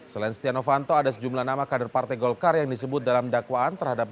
selain setia novanto ada sejumlah nama kader partai golkar yang disebut dalam dakwaan terhadap